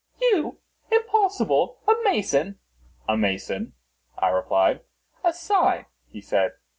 "You? Impossible! A mason?" "A mason," I replied. "A sign," he said.